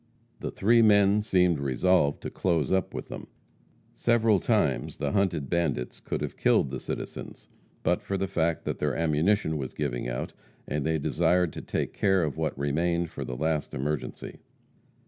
The three men seemed resolved to close up with them. Several times the hunted bandits could have killed the citizens, but for the fact that their ammunition was giving out, and they desired to take care of what remained for the last emergency.